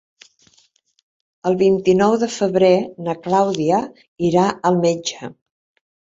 El vint-i-nou de febrer na Clàudia irà al metge.